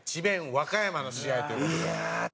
和歌山の試合という事で。